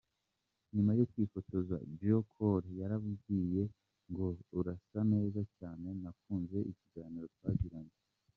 Nyuma yo kwifotoza, J Cole yarambwiye ngo urasa neza cyane nakunze ikiganiro twagiranye.